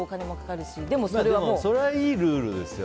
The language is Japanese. それは、いいルールですよ。